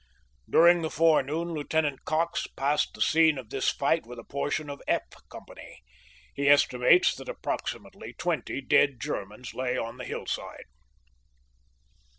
Dur ing the forenoon Lieutenant Cox passed the scene of this fight with a portion of F Company. He estimates that approximately twenty dead Germans lay on the hillside.